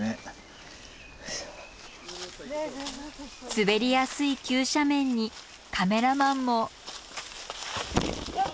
滑りやすい急斜面にカメラマンも。